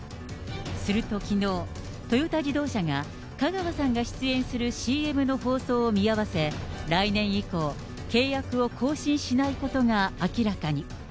するときのう、トヨタ自動車が、香川さんが出演するＣＭの放送を見合わせ、来年以降、契約を更新しないことが明らかに。